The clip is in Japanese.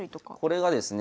これがですねえ